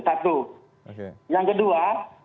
satu yang kedua